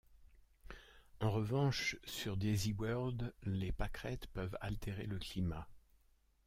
En revanche sur Daisyworld les pâquerettes peuvent altérer le climat.